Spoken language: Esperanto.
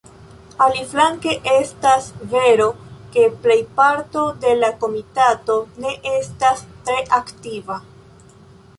Aliflanke estas vero ke plejparto de la Komitato ne estas tre aktiva.